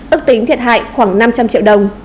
ước tính thiệt hại khoảng năm trăm linh triệu đồng